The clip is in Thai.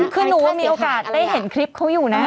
คือหนูมีโอกาสได้เห็นคลิปเขาอยู่นะ